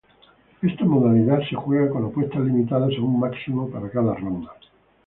Esta modalidad se juega con apuestas limitadas a un máximo para cada ronda.